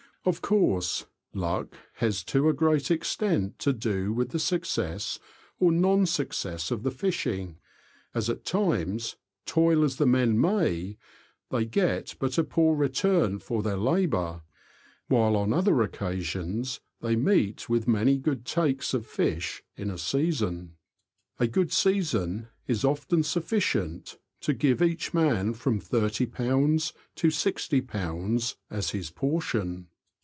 Of CHARACTERISTICS AND DIALECT. 245 course, luck has to a great extent to do with the success or non success of the fishing, as at times, toil as the men may, they get but a poor return for their labour, while on other occasions they meet with many good takes of fish in a season. A good season is often sufficient to give each man from ^£30 to £60 as his portion.